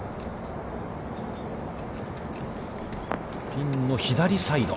ピンの左サイド。